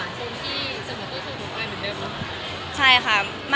ที่เซอปธิสุนไข้อย่างเดิมหรอล่ะ